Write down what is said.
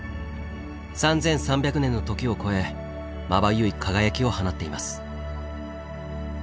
３３００年の時を超えまばゆい輝きを放っています。